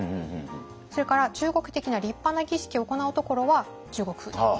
それから中国的な立派な儀式を行うところは中国風。